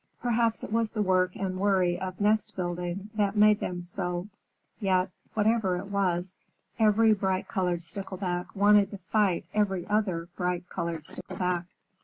Perhaps it was the work and worry of nest building that made them so, yet, whatever it was, every bright colored Stickleback wanted to fight every other bright colored Stickleback.